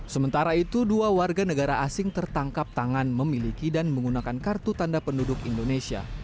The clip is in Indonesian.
sementara itu dua warga negara asing tertangkap tangan memiliki dan menggunakan kartu tanda penduduk indonesia